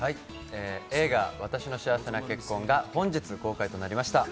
映画「わたしの幸せな結婚」が本日公開となりました。